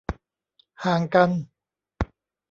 ห่างกัน